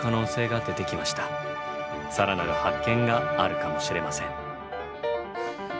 更なる発見があるかもしれません。